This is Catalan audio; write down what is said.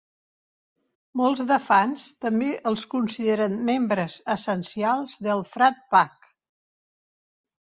Molts de fans també els consideren membres essencials del "Frat Pack".